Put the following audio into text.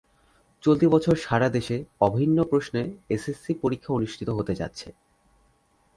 চলতি বছর সারা দেশে অভিন্ন প্রশ্নে এসএসসি পরীক্ষা অনুষ্ঠিত হতে যাচ্ছে।